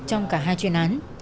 trong cả hai chuyên án